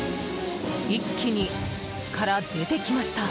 一気に巣から出てきました。